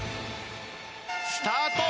スタート！